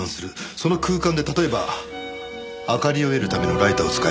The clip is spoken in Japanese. その空間で例えば明かりを得るためのライターを使えば。